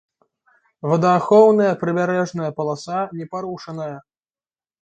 Водаахоўная прыбярэжная паласа не парушаная.